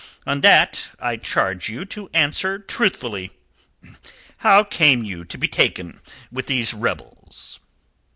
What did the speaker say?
On that I charge you to answer truthfully. How came you to be taken with these rebels?"